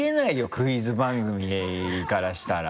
クイズ番組からしたら。